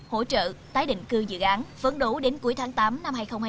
hỗ trợ tái định cư dự án phấn đấu đến cuối tháng tám năm hai nghìn hai mươi